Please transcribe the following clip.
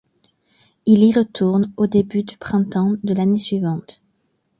Il y retourne au début du printemps de l'année suivante.